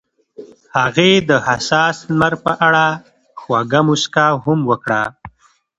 هغې د حساس لمر په اړه خوږه موسکا هم وکړه.